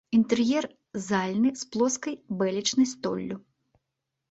Інтэр'ер зальны з плоскай бэлечнай столлю.